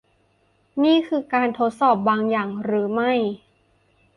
นี่คือการทดสอบบางอย่างหรือไม่ ?